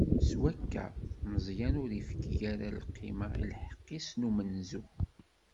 S wakka, Meẓyan ur ifki ara lqima i lḥeqq-is n umenzu.